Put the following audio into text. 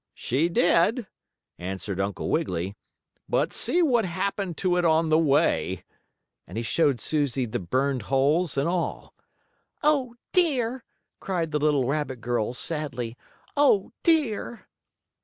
"She did," answered Uncle Wiggily, "but see what happened to it on the way," and he showed Susie the burned holes and all. "Oh, dear!" cried the little rabbit girl, sadly. "Oh, dear!"